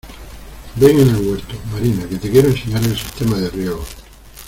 Ven en el huerto, Marina, que te quiero enseñar el sistema de riegos.